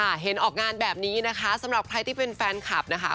เห็นออกงานแบบนี้นะคะสำหรับใครที่เป็นแฟนคลับนะคะ